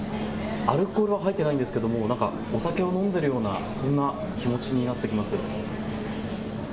アルコールは入っていないですけども何かお酒を飲んでるようなそんな気持ちになってきます。